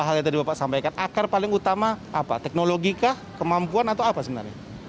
hal yang tadi bapak sampaikan akar paling utama apa teknologi kah kemampuan atau apa sebenarnya